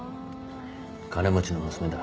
金持ちの娘だ。